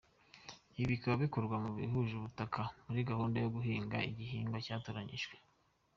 Ibi bikaba bikorwa ku bahuje ubutaka muri gahunda yo guhinga igihingwa cyatoranyijwe.